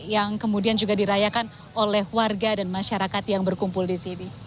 yang kemudian juga dirayakan oleh warga dan masyarakat yang berkumpul di sini